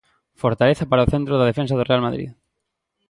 Fortaleza para o centro da defensa do Real Madrid.